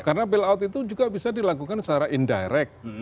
karena bailout itu juga bisa dilakukan secara indirect